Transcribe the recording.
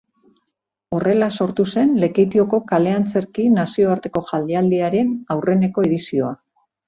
Horrela sortu zen Lekeitioko Kale-Antzerki Nazioarteko Jaialdiaren aurreneko edizioa.